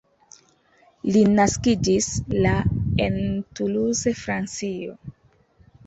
Li naskiĝis la en Toulouse Francio.